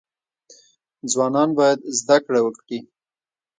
ځوانان باید زده کړه وکړي